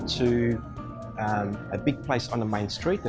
kalau alamanya berbeda bisa dipastikan itu dia ilegal